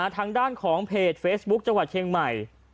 ทางด้านของเพจเฟซบุ๊คจังหวัดเชียงใหม่